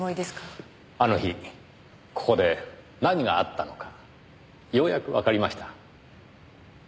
あの日ここで何があったのかようやくわかりました。